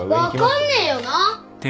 分かんねえよな。